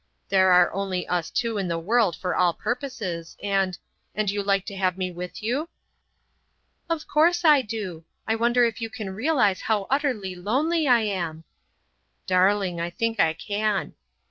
There are only us two in the world for all purposes, and—and you like to have me with you?" "Of course I do. I wonder if you can realise how utterly lonely I am!" "Darling, I think I can."